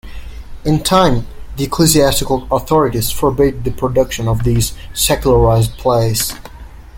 In time the ecclesiastical authorities forbade the production of these "secularized" plays.